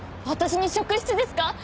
私に職質ですか？